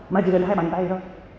mà chỉ cần hai bàn tay thôi